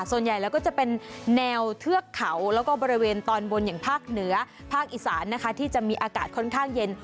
ส่วนใหญ่แล้วก็จะเป็นแนวเทือกเขาแล้วก็บริเวณตอนบนอย่างภาคเหนือภาคอีสานนะคะที่จะมีอากาศค่อนข้างเย็น